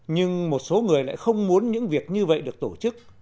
nhưng một số người lại không muốn những việc như vậy được tổ chức